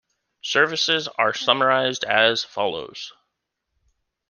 Services are summarised as follows.